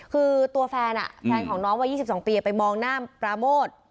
คือตัวแฟนอ่ะอืมแฟนของน้องวัยยี่สิบสองปีไปมองหน้าปราโมท